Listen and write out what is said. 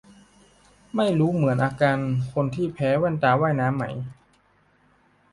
ไม่รู้เหมือนอาการคนที่แพ้แว่นตาว่ายน้ำไหม